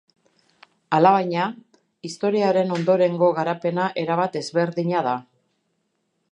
Alabaina, istorioaren ondorengo garapena erabat ezberdina da.